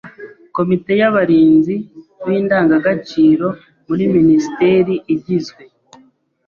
Komite y’abarinzi b’indangagaciro muri Minisiteri igizwe